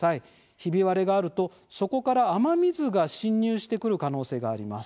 ひび割れがあるとそこから雨水が侵入してくる可能性があります。